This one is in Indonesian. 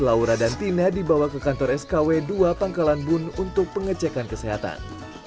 laura dan tina dibawa ke kantor skw dua pangkalan bun untuk pengecekan kesehatan